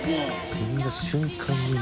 沈んだ瞬間にね。